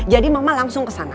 jadi mama langsung kesana